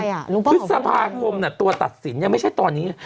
อย่าลืมพฤษภาคมน่ะตัวตัดสินยังไม่ใช่ตอนนี้